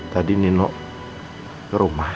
tadi nino ke rumah